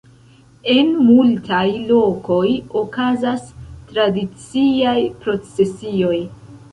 En multaj lokoj okazas tradiciaj procesioj.